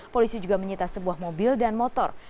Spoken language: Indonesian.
polisi juga menyita sebuah mobil dan motor